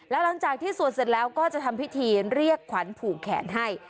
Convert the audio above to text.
หลังจากที่สวดเสร็จแล้วก็จะทำพิธีเรียกขวัญผูกแขนให้